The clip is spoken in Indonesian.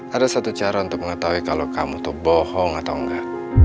ada satu cara untuk mengetahui kalau kamu tuh bohong atau enggak